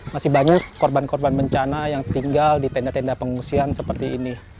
masih banyak korban korban bencana yang tinggal di tenda tenda pengungsian seperti ini